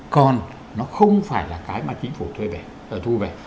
còn nó không phải là cái mà chính phủ thu về